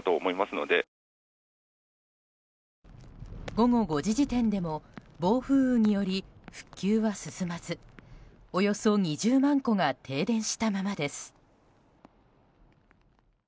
午後５時時点でも暴風雨により復旧は進まずおよそ２０万戸が停電したままです。